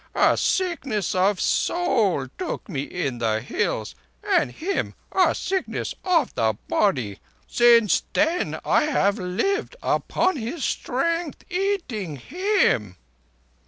A sickness of soul took me in the Hills, and him a sickness of the body. Since then I have lived upon his strength—eating him."